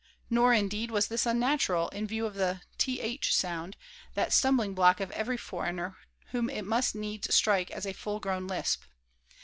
Nor, indeed, was this unnatural, in view of the "th" sound, that stumbling block of every foreigner, whom it must needs strike as a full grown lisp.